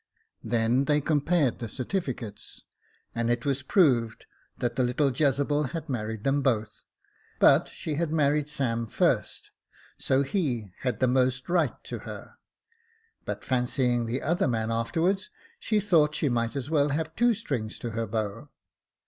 Then they compared the certificates, and it was proved that the little Jezebel had married them both ; but she had married Sam first, so he had the most right to her j but fancying the other man afterwards, she thought she might as well have two strings to her bow.